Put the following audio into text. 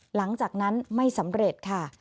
หลังจากนั้นไม่สำเร็จค่ะ